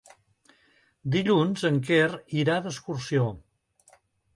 Dilluns en Quer irà d'excursió.